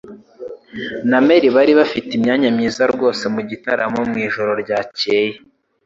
na Mary bari bafite imyanya myiza rwose mugitaramo mwijoro ryakeye.